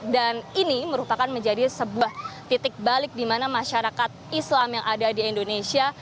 dan ini merupakan menjadi sebuah titik balik di mana masyarakat islam yang ada di indonesia